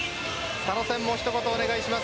佐野さんも一言お願いします。